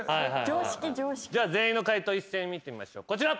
全員の解答一斉に見てみましょうこちら。